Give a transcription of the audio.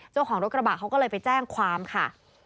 เจ้าของรถกระบะเขาก็เลยไปแจ้งความค่ะ